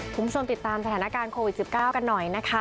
คุณผู้ชมติดตามสถานการณ์โควิด๑๙กันหน่อยนะคะ